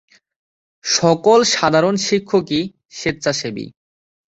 সকল সাধারণ শিক্ষকই স্বেচ্ছাসেবী।